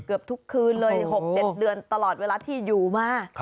เกือบทุกคืนเลย๖๗เดือนตลอดเวลาที่อยู่มา